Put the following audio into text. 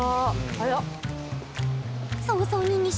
早っ。